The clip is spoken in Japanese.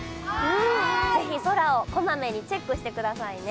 ぜひ空をこまめにチェックしてくださいね。